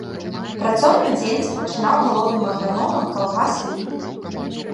Працоўную дзейнасць пачынаў галоўным аграномам калгаса ім.